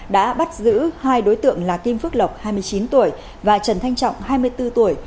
đã bắt giữ hai đối tượng là kim phước lộc hai mươi chín tuổi và trần thanh trọng hai mươi bốn tuổi